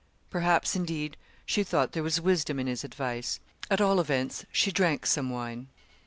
Perhaps, indeed, she thought there was wisdom in his advice. At all events she drank some wine.